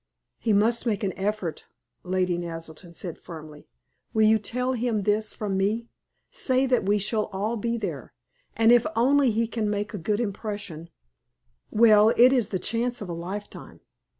"He must make an effort," Lady Naselton said, firmly. "Will you tell him this from me? Say that we shall all be there, and if only he can make a good impression well, it is the chance of a lifetime.